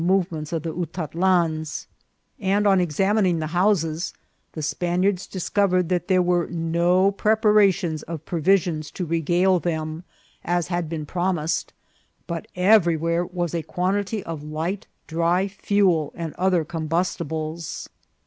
movements of the Utatlans ; and on examining the houses, the Spaniards discovered that there were no preparations of provisions to regale them, as had been promised, but everywhere was a quantity of light dry fuel and other combustibles.